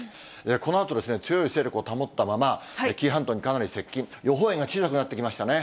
このあと強い勢力を保ったまま、紀伊半島にかなり接近、予報円が小さくなってきましたね。